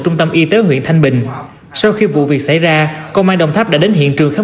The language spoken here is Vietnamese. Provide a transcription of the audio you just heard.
quán đi tới huyện thanh bình sau khi vụ việc xảy ra công an đồng tháp đã đến hiện trường khám